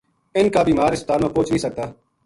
اِنھ کا بیمار ہسپتال ما پوہچ نیہہ سکتا